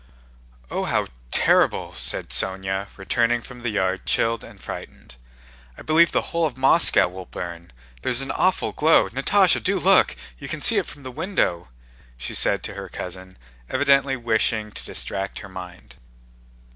"Oh, how terrible," said Sónya returning from the yard chilled and frightened. "I believe the whole of Moscow will burn, there's an awful glow! Natásha, do look! You can see it from the window," she said to her cousin, evidently wishing to distract her mind.